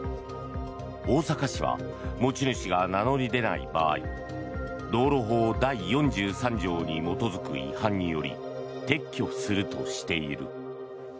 大阪市は持ち主が名乗り出ない場合道路法第４３条に基づく違反により撤去するとしている。